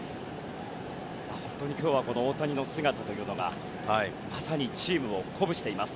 今日は大谷の姿がまさにチームを鼓舞しています。